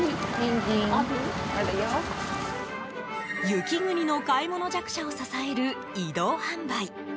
雪国の買い物弱者を支える移動販売。